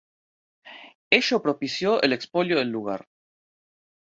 Ello propició el expolio del lugar.